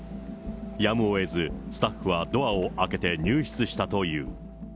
やむをえず、スタッフはドアを開けて入室したという。